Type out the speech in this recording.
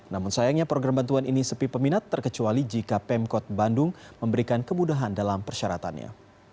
namun sayangnya program bantuan ini sepi peminat terkecuali jika pemkot bandung memberikan kemudahan dalam persyaratannya